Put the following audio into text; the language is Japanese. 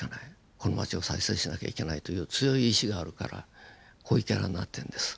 この町を再生しなきゃいけないという強い意志があるから濃いキャラになってるんです。